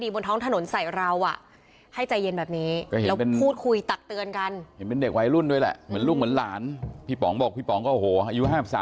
ผมว่าคนมันเห็นปุ๊บมันก็จะอยู่ในคอมมอนเซนต์อ่ะ